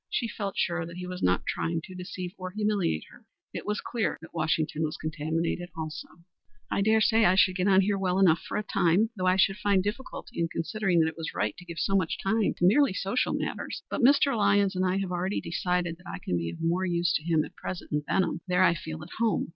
She felt sure that he was not trying to deceive or humiliate her. It was clear that Washington was contaminated also. "I dare say I should get on here well enough after a time, though I should find difficulty in considering that it was right to give so much time to merely social matters. But Mr. Lyons and I have already decided that I can be more use to him at present in Benham. There I feel at home.